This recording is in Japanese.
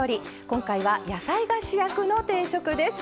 今回は野菜が主役の定食です。